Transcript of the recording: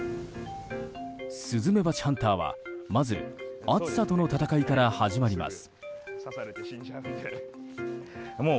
スズメバチハンターは、まず暑さとの戦いから始まります。